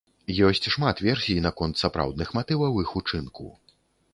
Ёсць шмат версій наконт сапраўдных матываў іх учынку.